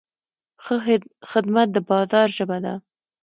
ښه خدمت د بازار ژبه ده.